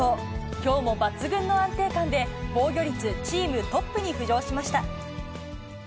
きょうも抜群の安定感で、防御率チームトップに浮上しました。